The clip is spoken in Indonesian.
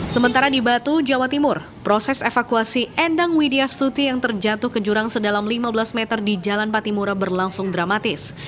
sementara di batu jawa timur proses evakuasi endang widya stuti yang terjatuh ke jurang sedalam lima belas meter di jalan patimura berlangsung dramatis